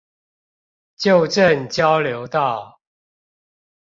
舊正交流道